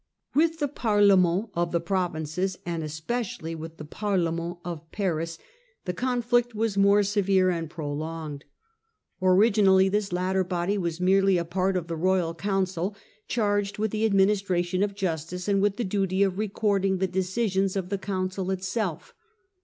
With the Parlements of the provinces, and especially with the Parlement of Paris, the conflict was more severe The and prolonged. Originally this latter body Parlements. was merely a part of the royal council, charged with the administration of justice, and with the duty of recording the decisions of the council itself.